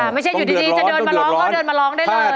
ไม่ใช่อยู่ดีจะเดินมาร้องก็เดินมาร้องได้เลย